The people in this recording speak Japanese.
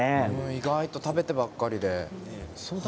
意外と食べてばっかり。